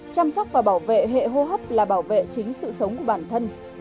chăm sóc và bảo vệ hệ hô hấp là bảo vệ chính sự sống của bản thân